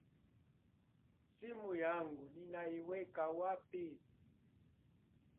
Simu yangu nnnaiweka wapi?